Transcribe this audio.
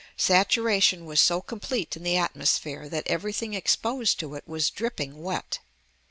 Saturation was so complete in the atmosphere that everything exposed to it was dripping wet.